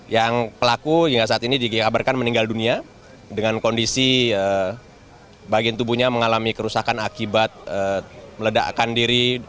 yang pelaku hingga saat ini dikabarkan meninggal dunia dengan kondisi bagian tubuhnya mengalami kerusakan akibat meledakkan diri